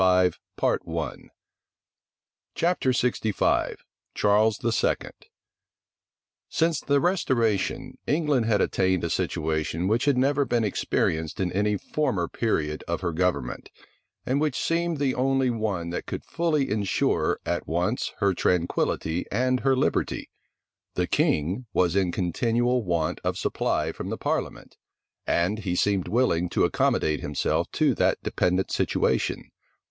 [Illustration: 1 802 hyde park.jpg HYDE PARK] CHARLES II. {1668.} Since the restoration, England had attained a situation which had never been experienced in any former period of her government, and which seemed the only one that could fully insure, at once, her tranquillity and her liberty: the king was in continual want of supply from the parliament, and he seemed willing to accommodate himself to that dependent situation.